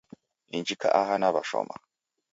Injika aha naw'ashoma.